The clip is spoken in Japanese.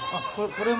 これも？